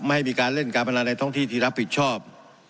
ให้มีการเล่นการพนันในท้องที่ที่รับผิดชอบ